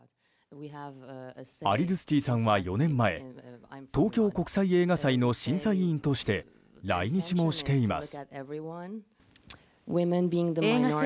アリドゥスティさんは４年前東京国際映画祭の審査委員として来日もしています。